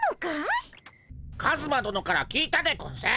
カズマどのから聞いたでゴンス。